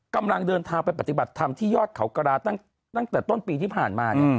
กำลังเดินทางไปปฏิบัติธรรมที่ยอดเขากระลาตั้งแต่ต้นปีที่ผ่านมา